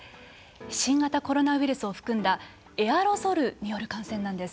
新型コロナウイルスを含んだエアロゾルによる感染なんです。